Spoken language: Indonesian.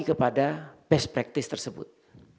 kepada best practice tersebut